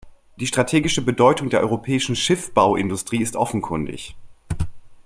Die strategische Bedeutung der europäischen Schiffbauindustrie ist offenkundig.